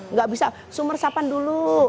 nggak bisa sumur resapan dulu